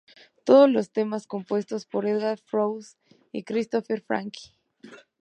Todos los temas compuestos por Edgar Froese y Christopher Franke